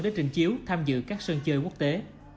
để trình chiếu tham dự các sân chơi quốc tế